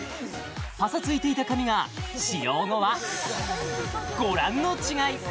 パサついていた髪が使用後はご覧の違い！